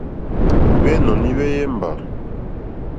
Hwɛ́nɔ̀ní hwɛ́yɛ́mbà.